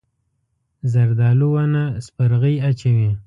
زردالو ونه سپرغۍ اچوي.